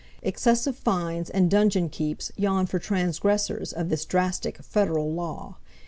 Excessive fines and dungeon keeps yawn for transgressors of this drastic Federal law.